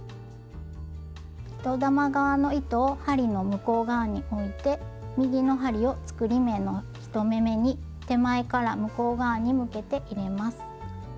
糸玉側の糸を針の向こう側において右の針を作り目の１目めに手前から向こう側に向けて入れます。